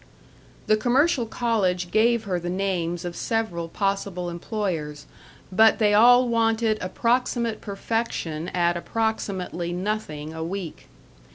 The commercial college gave her the names of several possible employers, but they all wanted approximate perfection at approximately nothing a week.